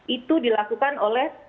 itu dilakukan oleh